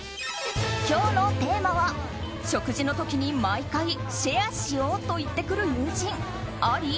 今日のテーマは食事の時に毎回シェアしようと言ってくる友人あり？